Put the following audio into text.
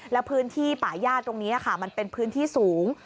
แล้วพื้นที่ป่าย่าตรงนี้ค่ะมันเป็นพื้นที่สูง